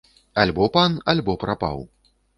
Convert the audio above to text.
Альбо пан, альбо прапаў.